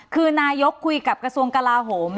คือนายกคุยกับกระทรวงกลาโหม